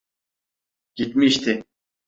Gitmişti.